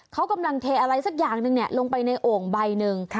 เขากำลังเทอะไรสักอย่างหนึ่งลงไปในโอ่งใบหนึ่ง